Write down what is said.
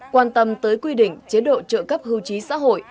quan tâm tới quy định chế độ trợ cấp hưu trí xã hội